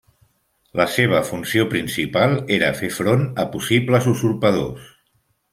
La seva funció principal era fer front a possibles usurpadors.